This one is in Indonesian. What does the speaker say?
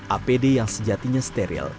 apd yang sejatinya steril